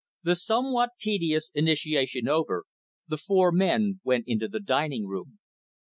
The somewhat tedious initiation over, the four men went into the dining room.